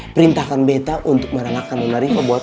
perintahkan betta untuk merelakan nona riva untuk om